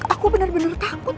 aku bener bener takut